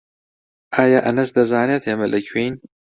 ئایا ئەنەس دەزانێت ئێمە لەکوێین؟